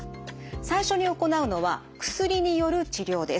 最初に行うのは薬による治療です。